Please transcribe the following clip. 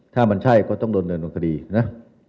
ถ้ามันใช่ก็ต้องโดนเดินลงคดีนะ